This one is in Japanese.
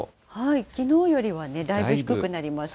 きのうよりはだいぶ低くなりますよね。